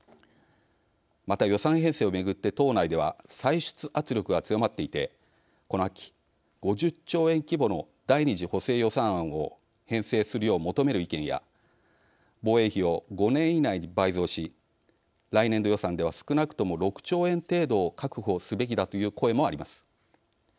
また、予算編成を巡って党内では歳出圧力が強まっていてこの秋、５０兆円規模の第２次補正予算案を編成するよう求める意見や防衛費を５年以内に倍増し来年度予算では少なくとも６兆円程度を確保すべきだとする声もあります。